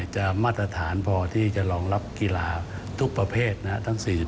จะมัดตระหารพอที่จะรองรับกีฬาทุกประเภทนะครับ